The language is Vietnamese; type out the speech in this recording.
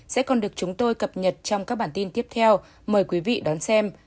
sẽ còn được chúng tôi cập nhật trong các bản tin tiếp theo mời quý vị đón xem